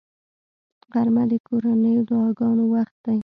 غرمه د کورنیو دعاګانو وخت دی